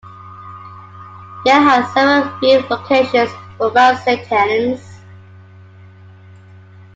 Yale has several view locations for Mount Saint Helens.